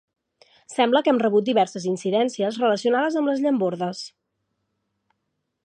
Sembla que hem rebut diverses incidències relacionades amb les llambordes.